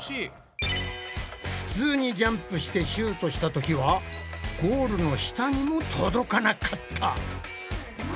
普通にジャンプしてシュートしたときはゴールの下にも届かなかった。